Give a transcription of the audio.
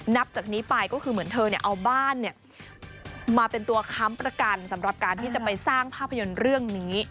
นับจากนี้ไปก็คือเหมือนเธอเอาบ้านมาเป็นตัวค้ำประกันสำหรับการที่จะไปสร้างภาพยนตร์เรื่องนี้